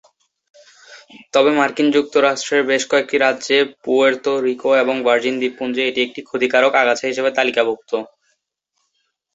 তবে মার্কিন যুক্তরাষ্ট্রের বেশ কয়েকটি রাজ্যে, পুয়ের্তো রিকো এবং ভার্জিন দ্বীপপুঞ্জে এটি একটি ক্ষতিকারক আগাছা হিসাবে তালিকাভুক্ত।